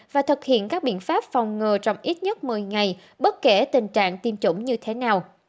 và thực hiện các biện pháp phòng ngừa trong ít nhất một mươi ngày bất kể tình trạng tiêm chủng như thế nào